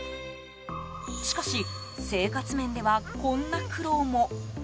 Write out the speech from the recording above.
しかし生活面ではこんな苦労も。